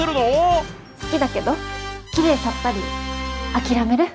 好きだけどきれいさっぱり諦める。